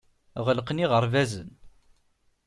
Ɣelqen yiɣerbazen.